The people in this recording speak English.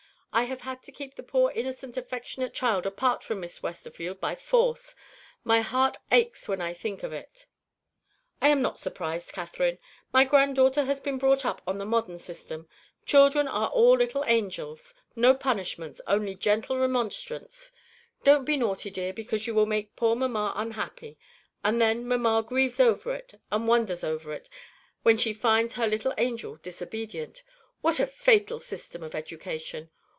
"I have had to keep the poor innocent affectionate child apart from Miss Westerfield by force. My heart aches when I think of it." "I'm not surprised, Catherine. My granddaughter has been brought up on the modern system. Children are all little angels no punishments only gentle remonstrance 'Don't be naughty, dear, because you will make poor mamma unhappy.' And then, mamma grieves over it and wonders over it, when she finds her little angel disobedient. What a fatal system of education!